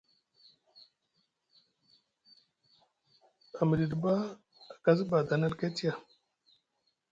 A miɗidi ɓa a kasi badani alket ya.